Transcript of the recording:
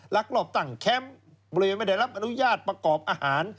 ลักลอบตั้งแคมป์โดยไม่ได้รับอนุญาตประกอบอาหาร